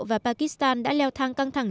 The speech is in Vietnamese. và pakistan đã leo thang căng thẳng